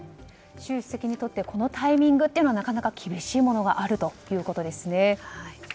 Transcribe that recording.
習近平主席にとってこのタイミングはなかなか厳しいものがあるということですね。